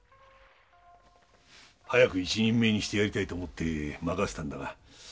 早く一人前にしてやりたいと思って任せたんだが。